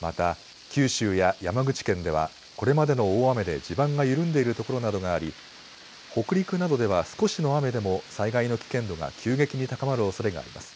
また九州や山口県ではこれまでの大雨で地盤が緩んでいるところなどがあり北陸などでは少しの雨でも災害の危険度が急激に高まるおそれがあります。